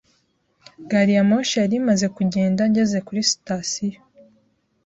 Gari ya moshi yari imaze kugenda ngeze kuri sitasiyo.